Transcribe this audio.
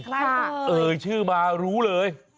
ค่ะค่ะเออชื่อมารู้เลย